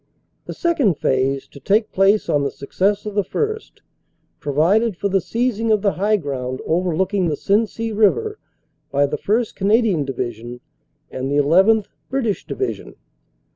The second phase, to take place on the success of the first, provided for the seizing of the high ground overlooking the Sensee river by the 1st. Canadian Division and the llth. (British) Division.